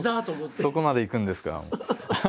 そこまでいくんですか。